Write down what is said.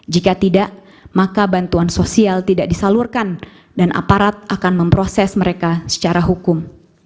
jika tidak maka bantuan sosial tidak disalurkan dan aparat akan memproses mereka secara hukum